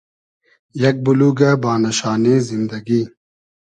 یئگ بولوگۂ بانۂ شانې زیندئگی